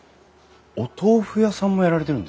お豆腐屋さんもやられてるんですか？